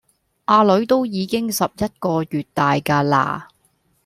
呀囡都已經十一個月大架啦